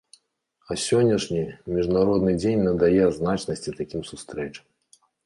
А сённяшні, міжнародны дзень надае значнасці такім сустрэчам.